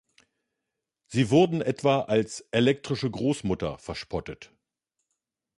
Sie wurden etwa als "elektrische Großmutter" verspottet.